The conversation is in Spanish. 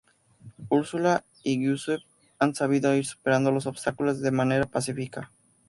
Ursula y Giuseppe han sabido ir superando los obstáculos de manera pacífica.